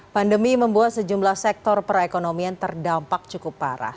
pandemi membuat sejumlah sektor perekonomian terdampak cukup parah